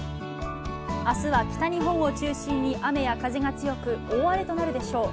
あすは北日本を中心に雨や風が強く、大荒れとなるでしょう。